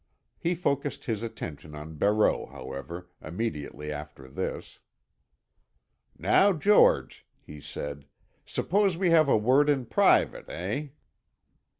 He focused his attention on Barreau, however, immediately after this. "Now, George," he said, "suppose we have a word in private, eh?"